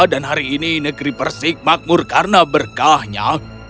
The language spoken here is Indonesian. dan hari ini negeri persik makmur karena berkahnya